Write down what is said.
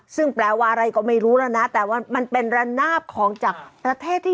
ซึ่งแปลว่าอะไรก็ไม่รู้แล้วนะแต่ว่ามันเป็นระนาบของจากประเทศที่